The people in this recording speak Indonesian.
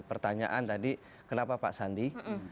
pertanyaan tadi kenapa pak sandi